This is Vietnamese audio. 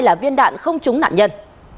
là viên đạn không trúng nạn nhân